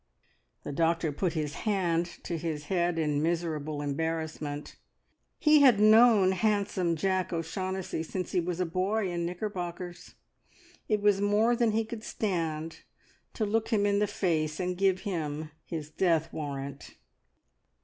The doctor put his hand to his head in miserable embarrassment. He had known handsome Jack O'Shaughnessy since he was a boy in knickerbockers. It was more than he could stand to look him in the face and give him his death warrant.